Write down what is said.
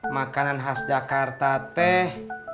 makanan khas jakarta teh